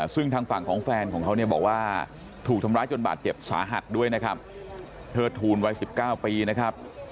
ซึ่งทางฝั่งของแฟนของเขาเนี่ยบอกว่าถูกทำร้ายจนบาดเจ็บสาหัสด้วยนะครับเทิดทูลวัย๑๙ปีนะครับ